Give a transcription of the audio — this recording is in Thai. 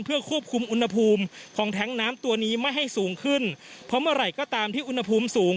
เพื่อควบคุมอุณหภูมิของแท้งน้ำตัวนี้ไม่ให้สูงขึ้นเพราะเมื่อไหร่ก็ตามที่อุณหภูมิสูง